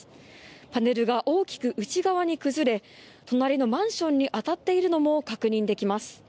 パネルが大きく内側に崩れ隣のマンションに当たっているのも確認できます。